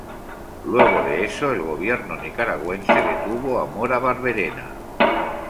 Luego de eso el gobierno nicaragüense detuvo a Mora Barberena.